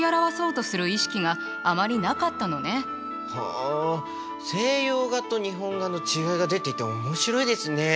あ西洋画と日本画の違いが出ていて面白いですね。